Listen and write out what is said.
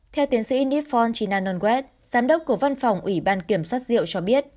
theo tiến sĩ nipon chinanongwet giám đốc của văn phòng ủy ban kiểm soát rượu cho biết